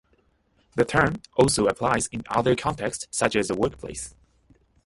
The term also applies in other contexts such as the workplace.